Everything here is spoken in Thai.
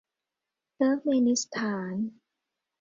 เติร์กเมนิสถาน